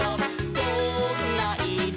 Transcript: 「どんないろ？」